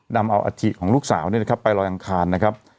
ดำเอาอาถิของลูกสาวเนี่ยนะครับไปรอยอังคารนะครับ